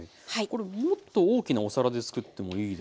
もっと大きなお皿でつくってもいいですか？